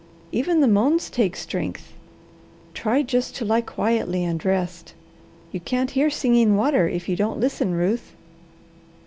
Even the moans take strength. Try just to lie quietly and rest. You can't hear Singing Water if you don't listen, Ruth."